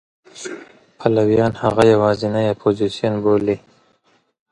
پلویان هغه یوازینی اپوزېسیون بولي.